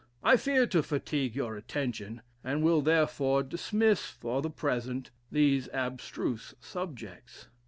I fear to fatigue your attention, and will, therefore, dismiss, for the present, these abstruse subjects."